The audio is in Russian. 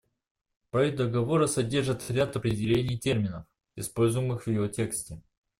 Проект договора содержит ряд определений терминов, используемых в его тексте.